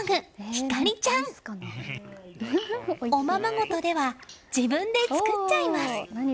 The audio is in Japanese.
光莉ちゃん。おままごとでは自分で作っちゃいます。